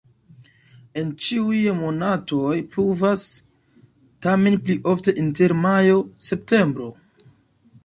En ĉiuj monatoj pluvas, tamen pli ofte inter majo-septembro.